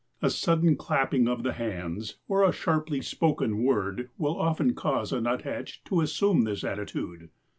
A sudden clapping of the hands or a sharply spoken word will often cause a nuthatch to assume this attitude.